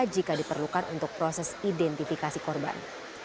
jika diperlukan untuk proses identifikasi korban